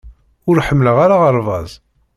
Ur ḥemmleɣ ara aɣerbaz